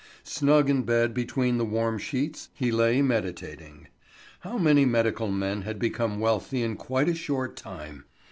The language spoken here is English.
Snug in bed between the warm sheets, he lay meditating. How many medical men had become wealthy in quite a short time!